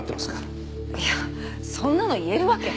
いやそんなの言えるわけ。